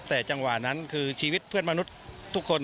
แต่จังหวะนั้นคือชีวิตเพื่อนมนุษย์ทุกคน